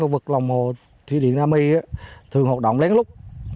trong khu vực lòng hồ thủy địa đa my thường hoạt động lén lút